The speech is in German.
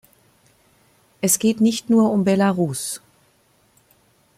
Es geht nicht nur um Belarus.